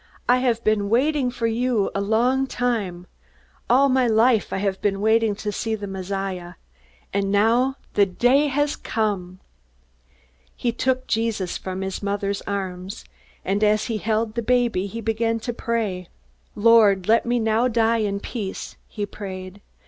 "I have been waiting for you a long time. All my life I have been waiting to see the Messiah. And now the day has come." He took Jesus from his mother's arms, and as he held the baby he began to pray. "Lord, let me now die in peace," he prayed.